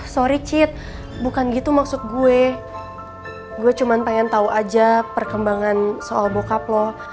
sorry chet bukan gitu maksud gue gue cuma pengen tahu aja perkembangan soal bokap loh